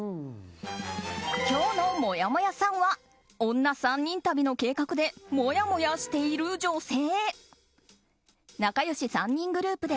今日のもやもやさんは女３人旅の計画でもやもやしている女性。